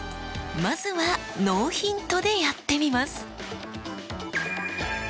まずはノーヒントでやってみます。